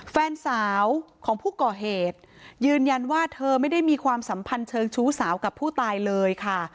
แฟนสาวของผู้ก่อเหตุยืนยันว่าเธอไม่ได้มีความสัมพันธ์เชิงชู้สาวกับผู้ตายเลยค่ะ